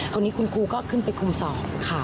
คนนี้คุณครูก็ขึ้นไปคุมสอบค่ะ